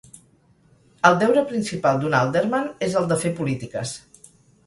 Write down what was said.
El deure principal d'un alderman és el de fer polítiques.